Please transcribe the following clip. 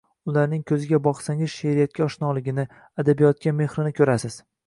Ularning kòziga boqsangiz she’riyatga oshnoligini, adabiyotga mehrini kòrasiz